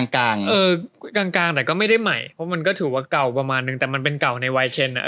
กลางแต่ก็ไม่ได้ใหม่เพราะมันก็ถือว่าเก่าประมาณนึงแต่มันเป็นเก่าในไวเทนอ่ะ